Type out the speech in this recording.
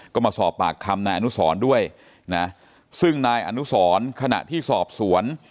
ก็มาสอบปากคำนายอนุสรด้วยนะซึ่งนายอนุสรขณะที่สอบสวน